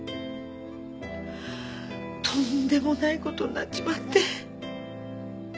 とんでもない事になっちまって。